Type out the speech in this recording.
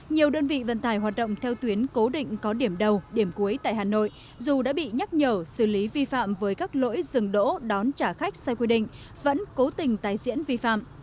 nhiều đơn vị vận tải hoạt động theo tuyến cố định có điểm đầu điểm cuối tại hà nội dù đã bị nhắc nhở xử lý vi phạm với các lỗi dừng đỗ đón trả khách sai quy định vẫn cố tình tái diễn vi phạm